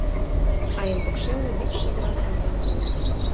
А эн покшелне вич шӱдыран армян коньяк.